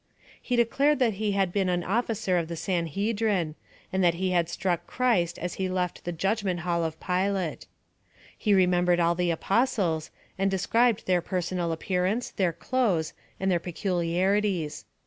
He declared that he had been an officer of the Sanhedrim, and that he had struck Christ as he left the judgment hall of Pilate. He remembered all the Apostles, and described their personal appearance, their clothes, and their peculiarities.